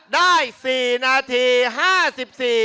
ได้๔นาที